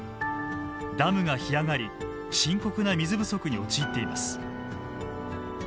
ダムが干上がり深刻な水不足に陥っています。